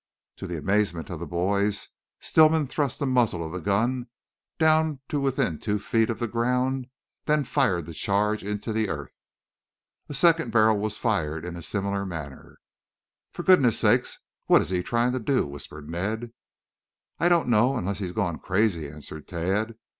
To the amazement of the boys Stillman thrust the muzzle of the gun down to within two feet of the ground, then fired the charge into the earth. A second barrel was fired in a similar manner. "For goodness' sake, what is he trying to do?" whispered Ned. "I don't know, unless he has gone crazy," answered Tad.